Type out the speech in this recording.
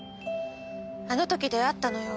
あの時出会ったのよ。